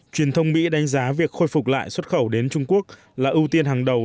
truyền thông mỹ đánh giá việc khôi phục lại xuất khẩu đến trung quốc là ưu tiên hàng đầu